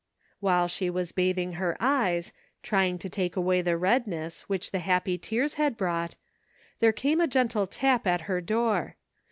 While she was bathing her eyes, trying to ''MERRY CHRISTMAS.'' 315 take away the redness which the happy tears had brought, there came a gentle tap at her door.